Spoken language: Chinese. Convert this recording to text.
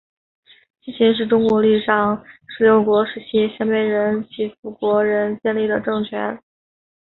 西秦是中国历史上十六国时期鲜卑人乞伏国仁建立的政权。